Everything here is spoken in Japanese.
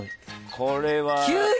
これは。